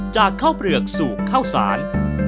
จากข้าวเปลือกสูบข้าวสาร